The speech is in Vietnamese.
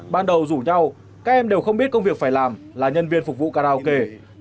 ban đầu rủ nhau các em đều không biết công việc phải làm là nhân viên phục vụ karaoke